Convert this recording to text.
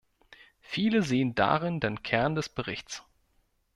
Viele sehen darin den Kern des Berichts.